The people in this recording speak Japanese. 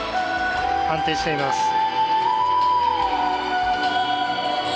安定しています。